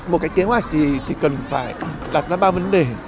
một cái kế hoạch gì thì cần phải đặt ra ba vấn đề